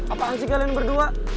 apaan sih kalian berdua